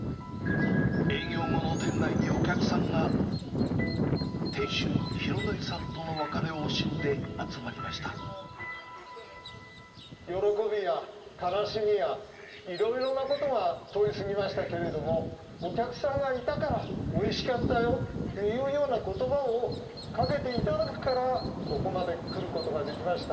営業後の店内にお客さんが、店主、浩敬さんとの別れを惜しん喜びや、悲しみや、いろいろなことが通り過ぎましたけれども、お客さんがいたからおいしかったよっていうようなことばをかけていただくから、ここまで来ることができました。